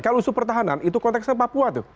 kalau isu pertahanan itu konteksnya papua tuh